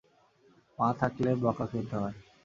মা থাকলে বকা খেতে হয়।